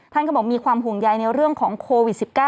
ท่านก็บอกมีความห่วงใยในเรื่องของโควิด๑๙